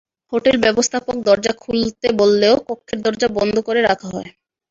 Hotel ব্যবস্থাপক দরজা খুলতে বললেও কক্ষের দরজা বন্ধ করে রাখা হয়।